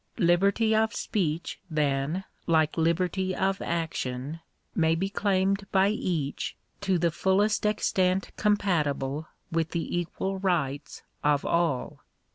Liberty of speech, then, like liberty of action, may be claimed by each, to the fullest extent compatible with the equal rights of all.